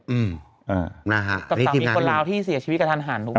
อืมน่าฮะนี่ทีมนานหนึ่งต่อจากนี้คนราวที่เสียชีวิตกับท่านห่าน